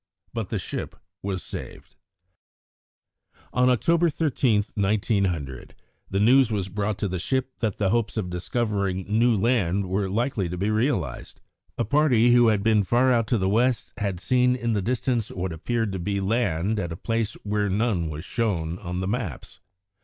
But the ship was saved. On October 13, 1900, the news was brought to the ship that the hopes of discovering new land were likely to be realised. A party who had been far out to the west had seen in the distance what appeared to be land at a place where none was shown on the maps.